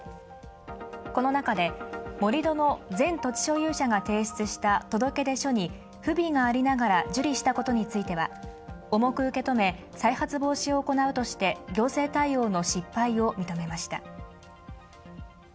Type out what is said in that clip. この中で、盛り土の前土地所有者が提出した届出書に不備がありながら受理したことについては、重く受け止め、再発防止を行うとして行政対応の失敗を認めました。